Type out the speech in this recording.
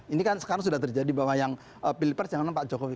ini kan sekarang sudah terjadi bahwa yang pilpres yang memang pak jokowi